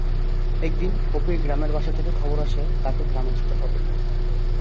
একদিন অপির গ্রামের বাসা থেকে খবর আসে তাকে গ্রামে যেতে হবে।